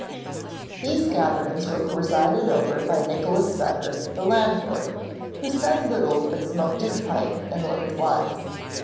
These gatherings were presided over by Nicholas Vedder the landlord, who said little but smoked his pipe and looked wise.